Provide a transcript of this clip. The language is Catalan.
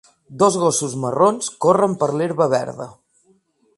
Dos gossos marrons corren per l'herba verda.